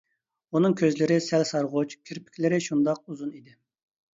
ئۇنىڭ كۆزلىرى سەل سارغۇچ، كىرپىكلىرى شۇنداق ئۇزۇن ئىدى.